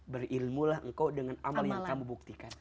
berilmulah engkau dengan amal yang kamu buktikan